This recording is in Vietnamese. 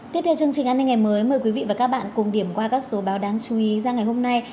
tiếp theo chương trình an ninh ngày mới mời quý vị và các bạn cùng điểm qua các số báo đáng chú ý ra ngày hôm nay